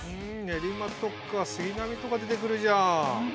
練馬とか杉並とか出て来るじゃん！